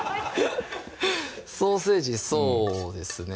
ソーセージそうですね